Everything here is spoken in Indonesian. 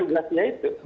itu tugasnya itu